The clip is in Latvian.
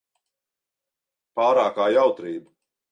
Pārākā jautrība.